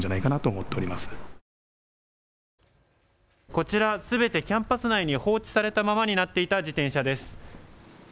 こちらすべてキャンパス内に放置されたままになっていた自転車です。